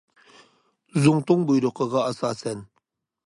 زۇڭتۇڭ بۇيرۇقىغا ئاساسەن.